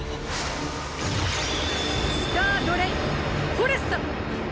スタードレインフォレスタ！